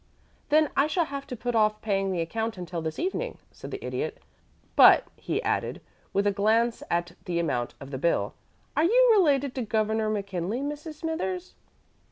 "Then I shall have to put off paying the account until this evening," said the Idiot. "But," he added, with a glance at the amount of the bill, "are you related to Governor McKinley, Mrs. Smithers?"